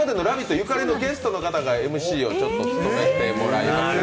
ゆかりのゲストの方がＭＣを務めてもらいます。